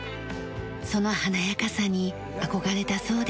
その華やかさに憧れたそうです。